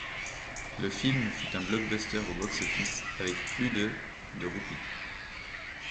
Le film fut un blockbuster au box office avec plus de de roupies.